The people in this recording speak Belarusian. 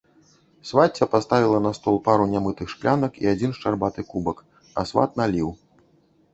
Свацця паставіла на стол пару нямытых шклянак і адзін шчарбаты кубак, а сват наліў.